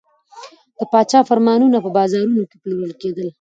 د پاچا فرمانونه په بازارونو کې پلورل کېدل.